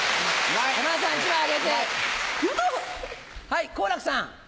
はい好楽さん。